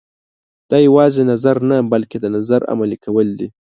دا یوازې نظر نه بلکې د نظر عملي کول دي.